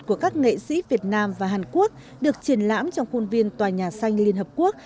của các nghệ sĩ việt nam và hàn quốc được triển lãm trong khuôn viên tòa nhà xanh liên hợp quốc